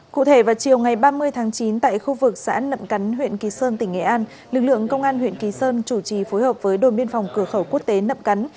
cụ thể vào chiều ngày ba mươi tháng chín tại khu vực xã nậm cắn huyện kỳ sơn tỉnh nghệ an lực lượng công an huyện kỳ sơn chủ trì phối hợp với đồn biên phòng cửa khẩu quốc tế nậm cắn